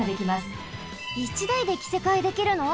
１だいできせかえできるの？